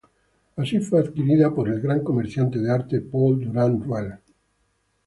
Ahí fue adquirida por el gran comerciante de arte Paul Durand-Ruel.